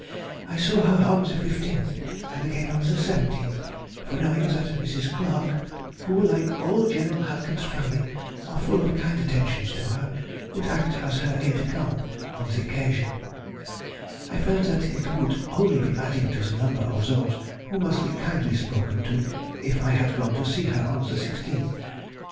I saw her on the 15th, and again on the 17th; for knowing that Mrs. Clarke, who, like all General Halkett's family, are full of kind attentions to her, would act as her aide de camp on the occasion, I felt that it would only be adding to the number of those who must be kindly spoken to if I had gone to see her on the 16th.